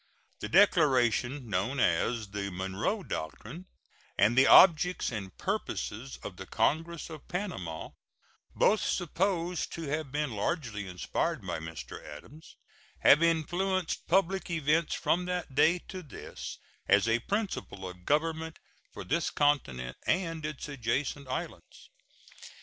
The declaration known as the Monroe doctrine, and the objects and purposes of the congress of Panama, both supposed to have been largely inspired by Mr. Adams, have influenced public events from that day to this as a principle of government for this continent and its adjacent islands.